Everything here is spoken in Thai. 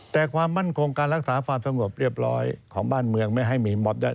แต่ความมั่นคงการรักษาความสงบเรียบร้อยของบ้านเมืองไม่ให้มีมอบได้